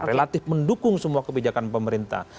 relatif mendukung semua kebijakan pemerintah